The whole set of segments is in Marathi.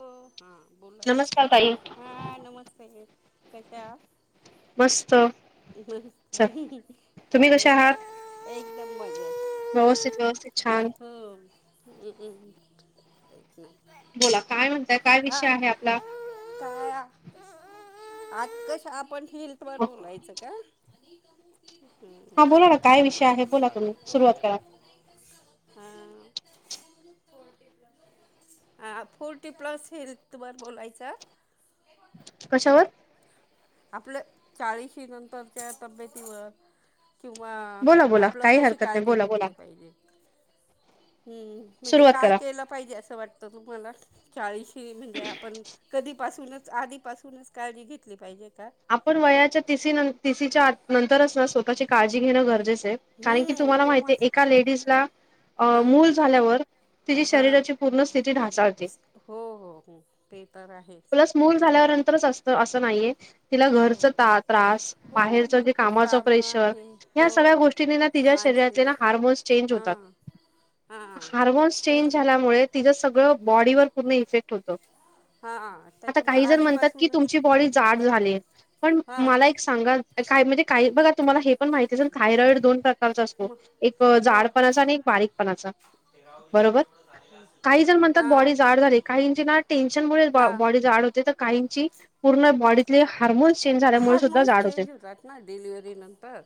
हो हां बोला नमस्कार ताई कश्या आहात? मस्त. च मस्त, तुम्ही कसे आहात तब्येत? एकदम व्यवस्थित व्यवस्थित छान मजेत हो. [inaudible] बोला काय म्हणताय, काय हा विषय आहे आपला? काय आज कस आपण- हिल्ट वर बोलायचं. हा हं बोला ना काय विषय आहे, बोला तुम्ही सुरुवात करा. हा ह फोर्टी प्लस हेल्थवर बोलायच- कशावर? आपलं चाळीशी नंतरच्या तब्येतीवर. किंवा बोला बोला आपलं काही कशी हरकत नाही काळजी बोला बोला घेतली पाहिजे. हम्म म्हणजे सुरुवात काय करा केलं पाहिजे असं वाटतं तुम्हाला? चाळीस. शी म्हणजे आपण कधी पासूनच, आधीपासूनच काळजी घेतली पाहिजे. का आपण वयाच्या तिसी नं तिसीच्या आत नंतरच ना स्वतःची काळजी घेणं गरजेचं कारण की हम्म तुम्हाला माहिती तेव्हाच एका लेडीजला अ हां मूल झाल्यावर तिची हां शरीराची पूर्ण स्थिती ढासाळते, हो हो हो ते तर आहेच प्लस मूल झाल्यावर तरच असत असं नाहीये. तिला हो घरच ता त्रास, हो बाहेरच जे भरपूर कामाच कामं प्रेशर आहे ह्या हो सगळ्या गोष्टींनी ना तिच्या शरीरातले ना मानसिक हार्मोन्स चेंज होतात. हां हां हार्मोन्स तेच चेंज ना झाल्यामुळे तिज सगळं बॉडी वर पूर्ण इफेक्ट होतं. हां आता त्याच्यामुळे काही जण म्हणतात की आधीपासूनच तुमची बॉडी जाड झालीये. पण हां मला एक सांगाल काय? म्हणजे काही बघा तुम्हाला हे पण माहिती असेल थायरॉईड दोन प्र कारचा असतो, मग एक हो जाडपणाचा आणि एक बारीकपणाचा बरोबर, काही जण म्हणतात हां बॉडी जाड झालीये काहींची ना टेन्शनमुळे बॉ हां बॉडी जाड होते तर काहीं ची पूर्ण बॉडीतली हार्मोन्स चेंज झाल्यामुळे सुद्धा हार्मोन्स जाड होतय, चेंज होतात ना डिलिव्हरी नंतर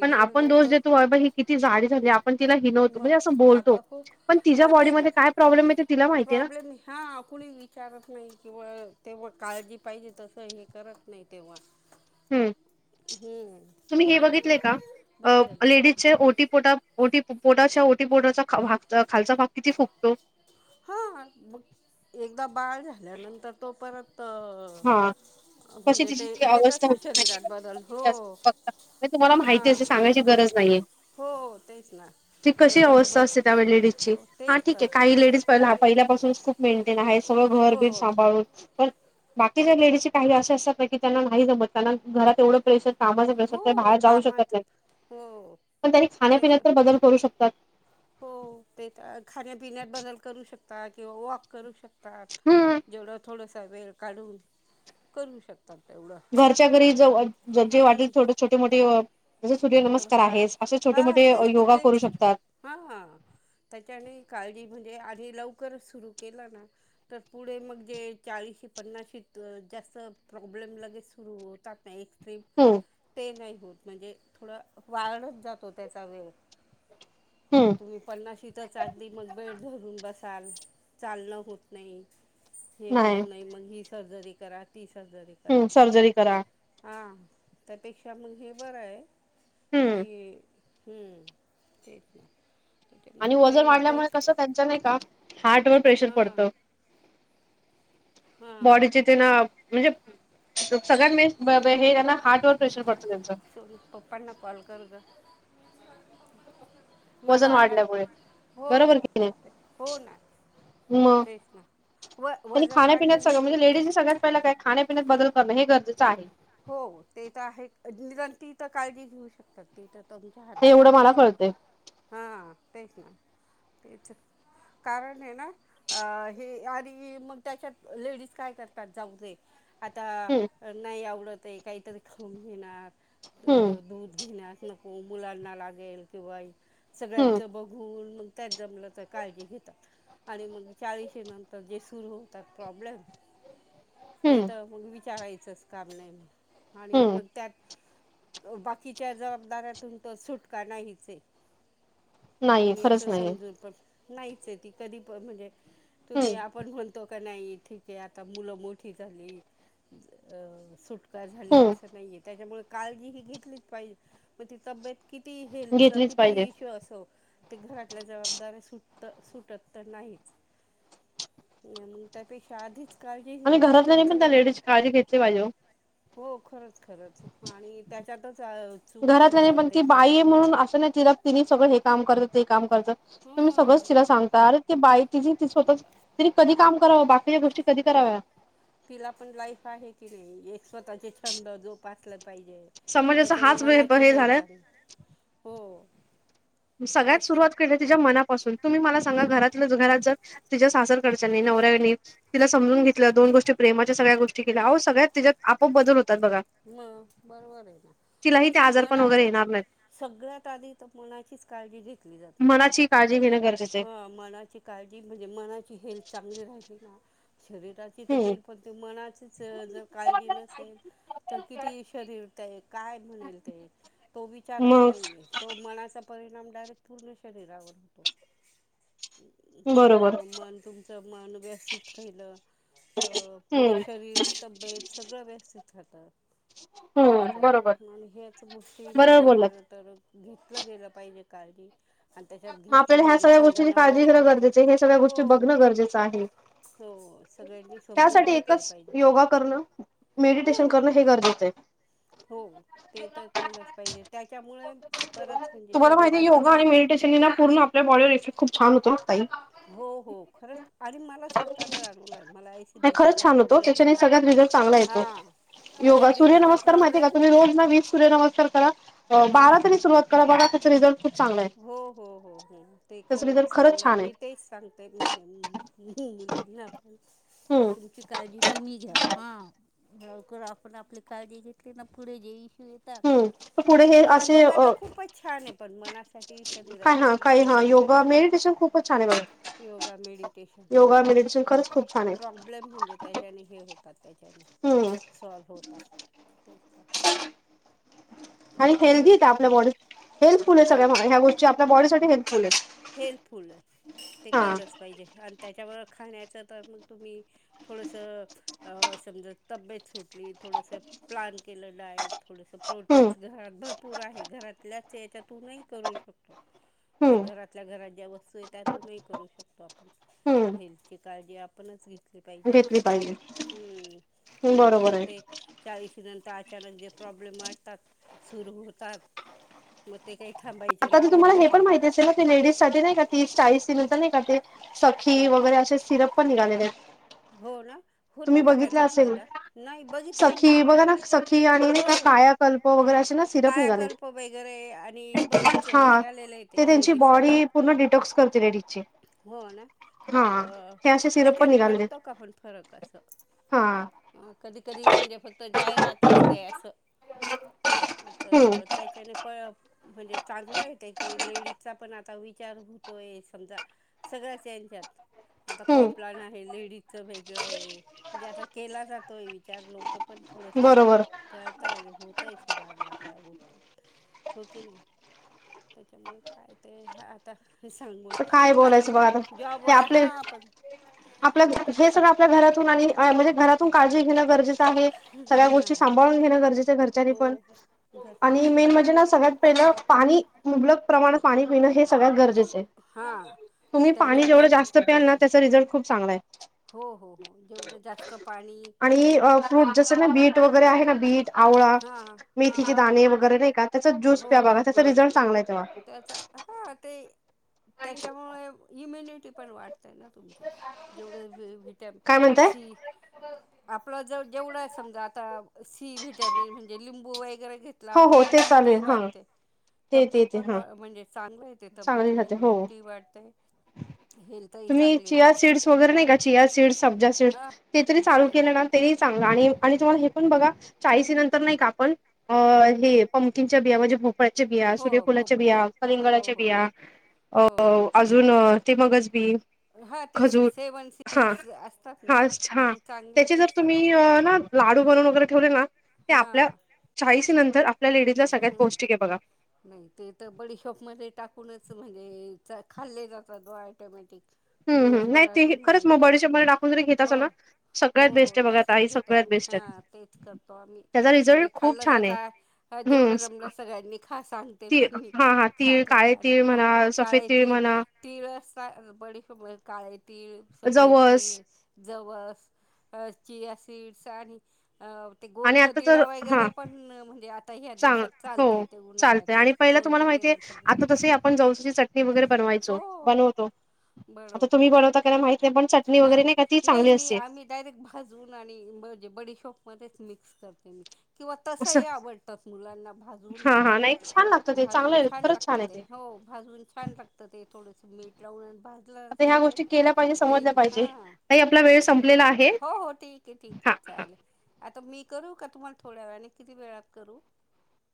पण आपण दोष नंतर देतो की बाबा ही किती जाडी झाली आपण तिला हिनवतो मग म्हणजे असं आ बोलतो पा प पण हा तिच्या ते बॉडीमध्ये कस, काय प्रॉब्लेम आहे ते तिला माहिती आहे प्रॉब्लेम, हा कुणी विचारत नाही किंवा तेव्हा काळजी पाहिजे तसं हे करत नाही तेव्हा हम्म हम्म, तुम्ही हे तेच ना बघितलय का बद्दल अ लेडीजचे ओटीपोटात ओटी पोटाच्या ओटीपोटाचा भाग खालचा भाग किती फुगतो. हा, मग एकदा बाळ झाल्यानंतर तो परत अ, हा कशी म्हणजे तिची ते ती अवस्था येतच ना होती शरीरात बदल माहिती हो का तुम्हाला, म तुम्हाला माहिती हां असेल सांगायची गरज नाहीये हो तेच ना तिची कशी वजन व अवस्था असते त्यावेळी लेडीजची, हो हा तेच ठीके तर काही लेडीज पहि पहिल्यापासूनच खूप मेंटेन आहे. सगळं घरबिर हो सांभाळून पण बाकीच्या लेडीजचे काही असे असतात नाही की त्यांना नाही जमत त्यांना घरात एवढं प्रेशर कामाच प्रेशर त्या हो बाहेर जाऊ शकत कामाचं नाही हो पण त्यांनी तेच खाण्यापिण्यात तर बदल करू शक. [inaudible] हो ते तर खाण्यापिण्यात बदल करू शकता किंवा वॉक करू शकता. हा, जेवढं थोडंसं. वेळ काढून करू शकतो. घरच्या घरी ज जे वाटेल थोडे छोटे मोठे जसे सूर्यनमस्कार आहेच असे छोटे हा मोठे तेच योगा करू तेच शकतात हा हा त्याच्याने काळजी घेणे, आधी लव लवकर सुरू केला ना तर पुढे मग जे चाळीशी पन्नाशीत जास्त प्रॉब्लेम लगेच सुरू होतात ना एक हम्म ते नाही. म्हणजे थोडं वायालाच जातो त्याचा वेळ. हम्म तुम्ही पन्नाशीतच अगदी मग बेड धरून बस. चाल चालणं होत नाही. हे होत नाही मग ह सर्जरी करा तीस सर्जरी करा हम्म सर्जरी करा हा. त्यापेक्षा मग हे बरं आहे. हम्म की हम्म तेच ना. आणि त्याच्यामुळे वजन ते वाढल्यामुळे तेच कसं त्यांच्या नाही का? हार्ट वर प्रेशर हां पडतं. हां बॉडी जेत ना. म्हणजे सगळ्यां म हे ना. स पप्पांना कॉल करू ग. मला वजन आला वाढल्यामुळे हो हो बरोबर कि हो ना नाही मग तेच ना व आणि वजन खाण्यापिण्यात वाढल्याने सगळ म्हणजे सगळे लेडीज सगळ्यात पहि काय खाण्यापिण्यात बदल करणं हे कर. आहे. हो ते तर आहे नि ती तर काळजी घेऊ शकतात त तर तुमच्या हे हातात एवढं मला आहेच कळतंय हा तेच ना. तेच कारण हे ना अ हे आणि मग त्याच्यात लेडीज काय करतात जाऊ दे. आता हम्म नाही आवड. काहीतरी खाऊन घेणार. अ हम्म दूध घेल्यास को को मुूलारना लागल कंवाय हम्म सगळ्यांचं बघून म्हगताय जमलं काळजी घेतात आणि मग चाळीश नंतर जे सुरू होतात प्रॉब्लेम ते हम्म तर मग विचारायचं संस्कार नाही आणि हम्म मग त्यात बाकीच्या जबाबदाऱ्यातून तर सुटका नाहीच नाहीये कुणी खरंच असं नाहीये समजून पण नाहीच आहे ती कधी पण म्हणजे हम्म तुम्ही आपण म्हणतो नाही ठीक आहे आता मुलं मोठी झाली सु का झाली असं हम्म नाहीये त्याच्यामुळे काळजी ही घेतलीच पाहिजे पण ती तब्येत किती हेल्थचा घेतलीच पाहिजे कितीही इशू असो ते घरातल्या जबाबदारच सूट सुटत तर नाहीच त्यापेक्षा आधीच काळजी आणि घेतली तर घरातल्यानी पण त्या चांगलं लेडीज काळजी घेतली पाहिजे ओ हो खरच खरच आणि त्याच्यातच अं, चूक होऊन घरातल्यानी पण जाते ती खरं बाई म्हणून अस नाही तिला तिन्ही सगळ हे काम करत ते काम [unintelligible] तुम्ही हं सगळच तिला सांगता अरे ते बाई तिच ती स्वतःच कधी काम करावा बाकीच्या गोष्टी कधी कराव्या तिला पण लाईफ आहे की नाही एक स्वतःचे छंद जोपासल पाहिजे समाजाचा त्याच्याने हाच मनाची हे हेल्थ झालाय हो सगळ्यात तेच तर सुरुवात केली तिच्या मनापासून तुम्ही मला सांगा मना घरातलच घरात जर तिच्या सासरच सासरकडच्यांनी नवऱ्यानी तिला समजून घेतल दोन गोष्टी प्रेमाच्या सगळ्या गोष्टी केल्या अहो सगळ्यात तिच्यात आपोआप बदल होतात बघा म बरोबर आहे तिलाही ते तेच ना मन आजारपण वगैरे असच येणार नाहीत सगळ्यात आधी तर मनाचीच काळजी घेत घेतली जात नाही काळजी मनाची घेणं गरजेचं आहे काय हा मनाची काळजी म्हणजे मनाची हेल्थ चांगली राहिली ना शरीराची तर हम्म घेईल पण ते मनाचीच जर काळजी नसेल किती शरीर ते काय म्हणेल ते तो विचारच मग नाहीये तो मनाचा परिणाम डायरेक्ट पूर्ण शरीरावर होतो म बरोबर मन तुमच मन व्यवस्थित राहिल तर पुढे हम्म शरीर तब्येत सगळ व्यस्थित खाता तेच हम्म तर बरोबर मन ह्याच गोष्टी बरोबर म्हणजे बोललात खर तर घेत घेतल गेल पाहिजे काळजी आणि त्याच्यात घेतली आपल्याला ह्या म्हणजे सगळ्या समजा गोष्टीची काळजी नवऱ्याने घेण घेतली गरजेच आहे सगळ्या हो गोष्टी बघण गरजेच आहे हो सगळ्यांनी समजून त्यासाठी घेतलं एकच पाहिजे योगा करण मेडिटेशन हां करण हे गरजेच ते हो ते तर केलच पाहिजे त्याच्यामुळे बरच म्हणजे तुम्हाला माहिती शरीराच योगा पण आणि मेडिटेशनने ना पूर्ण आपल्या बॉडीवर इफेक्ट खूपछान होतो ताई. हो हो खरच आणि मला स्वतःला जाणवलय मला नाही खरंच ऍसिडिटीचा छान होतो प्रॉब्लेम त्याच्याने होता सगळ्यात रिझल्ट चांगला हा येतो. योगा ऍसिडिटीचा सूर्यनमस्कार माहितीय का प्रॉब्लेम तुम्ही रोज ना वीस सूर्यनमस्कार करा. बारा हां तरी सुरुवात करा बघा त्याच रिझल्ट खूप चांगला आहे हो हो हो हो ते त्याचा खरच रिझल्ट खरंच चांगलय छान आहे मी तेच सांगते मुलींना पण हम्म तुमची काळजी तुम्ही घ्या हा लवकर आपण आपली काळजी घेतली ना पुढे जाई [unintelligible] तर हम्म पुढे हे म्हणजे असे योगा तर अ खूपच छान आहे पण मनास काय हा शरीरासाठी काही हा सगळ्या योगा साठी मेडिटेशन खूपच छान आहे बघा. योगा मेडिटेशन हो योगा मेडिटेशन आणि खरंच खूप छान आहे प्रॉब्लेम म्हणजे त्याच्या हे होतात त्याच्याने हम्म. सॉल्व्ह होतात तर [unintelligible] आणि हेल्दी तुम्ही येत काय कर आपल्या बॉडी हेल्थफुल आहे सगळ्या हां माणस हेल्पफुल ते हा केलंच पाहिजे आणि त्याच्यावर खाण्याचं तर मग तुम्ही थोडंसं समजा तब्येत सुटली थोडंसं प्लान केलं डायट थोडंसं हम्म प्रोटीन्स घरात भरपूर आहे घरातल्याच याच्यातून नही करू शकतो म्हण हम्म घरातल्या घरात ज्या वस्तू आहे त्यातून करू शकतो आपण हम्म हेल्थची काळजी आपण घेतली पाहिजे घेतली पाहिजे म्हणजे बरोबर मग आहे ते चाळीस नंतर अचानक जे प्रॉब्लेम वाटतात सुरू होतात मग ते काही थांबायचं आता त तुम्हाला हे पण माहिती असेल ना की लेडीजसाठी नाही का तीस चाळीशी नाही का सखी हां वगैरे असे सिरप पण निघालेले हो ना तुम्ही होतो का बघितलं त्याचा असेल फायदा नाही बघितला मी सखी पण बघा ना सखी आणि नाही हो का हो कायाकल्प वगैरे असे ना सिरप निघालेत कायाकल्प वगैरे आणि बरंच हा निघालेलं आहे ते त्यांची लेडीजसाठी बॉडी पूर्ण डिटॉक्स करते लेडीज ची हो ना प अ, हे अशे सिरप पण त्याच्याने निघाले पडतो का पण फरक असं कधी कधी म्हणजे फक्त जाहिरात असते असं हम्म तर त्याच्याने पळ म्हणजे चांगलं येतय की लेडीजचा पण आता विचार होतोय समजा सगळ्याच यांच्यात आता हम्म कॉम्प्लान आहे लेडीजच वेगळं आहे म्हणजे आता केला जातोय विचार लोक पण थोडस हे बरोबर कळताे हो सुधारणा त्या गोष्टीत हो की नाही त्याच्यामुळे काय ते आता सांगून काय आणि बोलायचं ते बघा आता ते जॉबवाले आपले हां पण आपल्या हे सगळं आपल्या घरातून आणि म्हणजे घरातून काळजी घेण गरजे आहे सगळ्या गोष्टी हां सांभाळून घेणं गरजेच आहे घरच्यानि हो पण हो आणि घरच्यांनी मेन पण म्हणजे ना सगळ्यात पहिलं पाणी मुबलक प्रमाणात पाणी पिण हे सगळत गरजेच आहे. हां तुम्ही पाणी जेवढ त्याच्यामुळे पण जास्त खूप प्याल ना इशू त्याचा रिझल्ट खूप चांगला आहे हो हो हो जेवढं जास्त पाणी आणि फ्रूट जस ना बिट वगरे आहे ना बीट आवळा हां मेथीचे हां दाणे वगैरे नाही का त्याचा ज्यूस हो प्या हो बघा त्याचा रिझल्ट चांगला आहे तेव्हा त्याचा हां ते त्याच्यामुळे इम्युनिटी पन वाढते. तुम जेवढ व्हिटॅमिन काय म्हणताय सी आपलं जर जेवढं समजा आता सी विट व्हिटॅमिन म्हणजे लिंबू वगैरे हो आपली हो ते चालू इम्युनिटी आहे हा वाढते ते तब्येत ते ते पण हा म्हणजे चांग येते चांगली तब्यतीला राहते हो इम्युनिटी वाढते हेल्थही तुम्ही चांगली रा चिया सीड्स वगैरे नाही का चिया सीड्स सब्जा ते तरी चालू केलं ना तरी चांगलं आणि आणि तुम्हाला हे पण बघा चाळीसी नंतर नाही का आपण अ हं हे पमकिंग बिया म्हणजे भोपळाच्या बिया हो सूर्यफुलाच्या बिया भोपळ्याची हो कलिंगळाच्या हो बिया अ हो अजून ते मगच बी हा ते खजूर सेवन हा सीड्स असतात ना हा हा ते त्याचे चांगलेच जर असतात तुम्ही त्या ना लाडू बनून वगैरे ठेवले ना, ते हा आपल्या चाळीसी नंतर आपल्या लेडीजला सगळ्यात हम पौष्टिक आहे बघा नाही ते तर बडीशॉप मध्ये टाकूनच म्हणजे च खाल्ले जातातो ॲटोमॅटिक हम् हम नाही ते खरंच मग बॉडीच्या मध्ये टाकून जरी घेत अस हो ना हो सगळ्यात हो बेस्ट आहे बघा तसच ताई घेतो सगळ्यात आम्ही बेस्ट हा आहे. तेच करतो आम्ही त्याचा म्हणजे रिझल्ट खूप खाल्ल छान आहे जात हम्म जेवढं जमलं सगळ्यांनी खा सांगते ती पण मी हा हा तीळ खात काळे आणि तीळ म्हणा हो सफेद काळे तीळ म्हणा तीळ-तीळ ब काळ तीळ सफेद जवस तीळ जवसचिया सिड्स आणि ते आणि आता तर गोनकतिरा हा वगैरे पण म्हणजे आता ह्या चांग दिवसात हो चालतय ते चालतय उन्हाळ्यात आणि नत पहिला तुम्हाला माहितीय गोनकतिरा आता तसे आपण जवसाची चटणी वगैरे बनवायचो हो बनवतो आता बरवतो तुम्ही बनवता का नाही माहित नाही पण चटणी वगैरे नाही का ती नाही चांगली मी असते आम्ही डायरेक्ट भाजून आणि म्हणजे बडी शॉप मध्ये मिक्स करते मी किंवा असं तसही आवडतात मुलांना भाजवून ये हा ना हा नाही छान लागतं ते चांगलं भाजून आहे छान खरंच लागत आहे ते हो भाजून छान लागतं ते थोडस मीठ जव आता ह्या जेपे गोष्टी केल्या पाहिजे समजल्या ह पाहिजे ताई आपला वेळ संपलेला आहे हो हो ठीक आहे ठीक हा आहे चालेल. तर मी करू का तुम्हाला थोड्या वेळाने किती वेळ करू